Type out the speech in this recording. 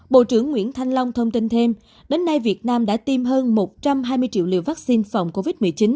bộ trưởng nguyễn thanh long thông tin thêm đến nay việt nam đã tiêm hơn một trăm hai mươi triệu liều vaccine phòng covid một mươi chín